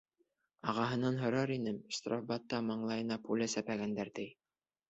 Ағаһынан һорар инең, штрафбатта маңлайына пуля сәпәгәндәр, ти.